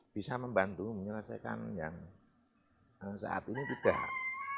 bisa membantu menyelesaikan yang saat ini tidak